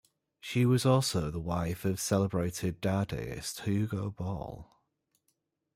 She was also the wife of celebrated Dadaist Hugo Ball.